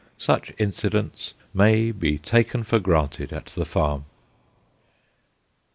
Such incidents maybe taken for granted at the farm.